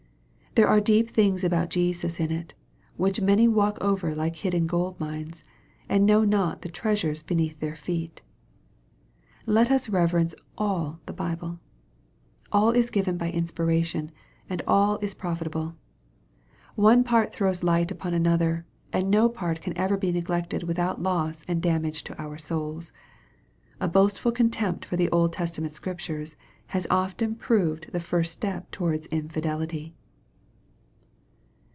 There are deep things about Jesus in it, which many walk over like hidden gold mines, and know not the treasures beneath their feet. Let us reverence all the Bible. All is given by inspiration, and all is profitable. One part throws light upon another, and no part can ever be neglected without loss and damage to our souls. A boastful contempt for the Old Testament Scriptures has often proved the first step towards infidelity.